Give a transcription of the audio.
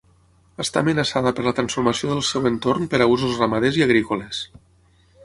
Està amenaçada per la transformació del seu entorn per a usos ramaders i agrícoles.